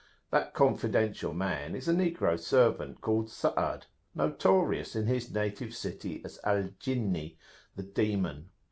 That confidential man is a negro servant, called Sa'ad, notorious in his native city as Al Jinni, the Demon.